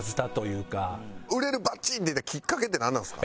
売れるバチーンっていったきっかけってなんなんですか？